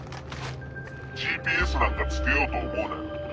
ＧＰＳなんか付けようと思うなよ。